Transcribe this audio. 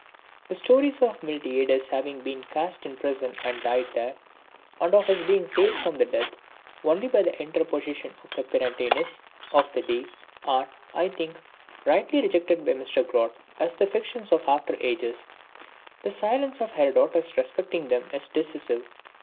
The stories of Miltiades having been cast into prison and died there, and of his having been saved from death only by the interposition of the Prytanis of the day, are, I think, rightly rejected by Mr. Grote as the fictions of after ages. The silence of Herodotus respecting them is decisive.